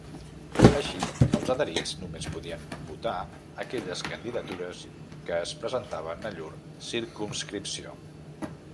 Així, els adherits només podien votar aquelles candidatures que es presentaven a llur circumscripció.